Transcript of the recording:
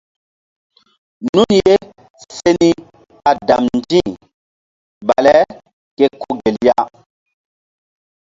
Nun ye se ɓa damndi̧ bale ke ko gel ya.